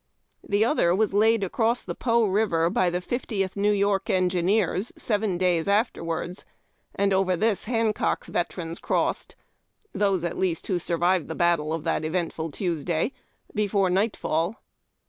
The other was laid across the Po River, by the Fiftieth New York Engineers, seven days afterwards, and over this Hancock's Veterans crossed — those, at least, who survived the battle of that eventful Tuesday — before nightfall.